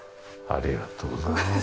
ありがとうございます。